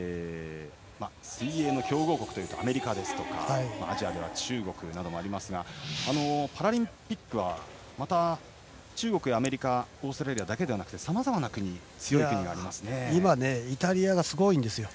水泳の強豪国というとアメリカですとかアジアでは中国などがありますがパラリンピックはまた中国やイタリアオーストラリアだけではなくさまざまな国、強いですね。